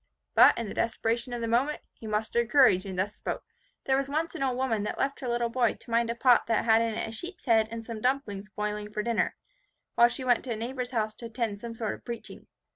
But, in the desperation of the moment, he mustered courage, and thus spoke, "There was once an old woman that left her little boy to mind a pot that had in it a sheep's head and some dumplings boiling for dinner, while she went to a neighbour's house to attend some sort of preaching.